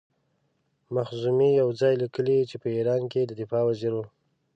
مخزومي یو ځای لیکي چې په ایران کې د دفاع وزیر وو.